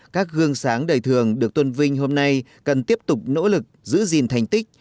các gương sáng đời thường được tôn vinh hôm nay cần tiếp tục nỗ lực giữ gìn thành tích